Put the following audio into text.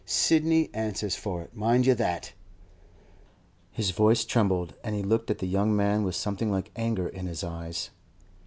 Sidney answers for it, mind you that!' His voice trembled, and he looked at the young man with something like anger in his eyes.